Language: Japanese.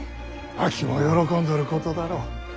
あきも喜んどることだろう。